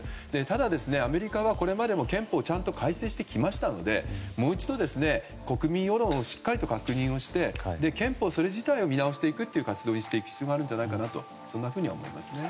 ただアメリカはこれまでも憲法をちゃんと改正してきましたのでもう一度、国民世論をしっかり確認して憲法それ自体を見直していくという活動にしていく必要があるんじゃないかと思いますね。